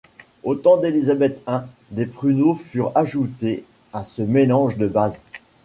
Au temps d'Elisabeth I, des pruneaux furent ajoutés à ce mélange de base.